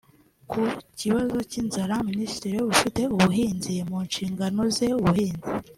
Ku kibazo cy’inzara Minisitiri ufite ubuhinzi mu nshingano ze ubuhinzi